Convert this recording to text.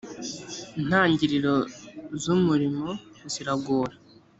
intangiriro z umurimo ziragora